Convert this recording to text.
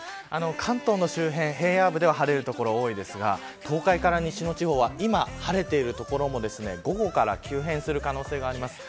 関東の周辺平野部では晴れる所が多いですが東海から西の地方は今、晴れている所も午後から急変する可能性があります。